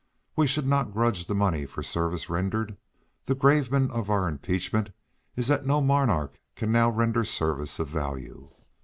We should not grudge the money for service rendered; the gravamen of our impeachment is that no monarch now can render service of value.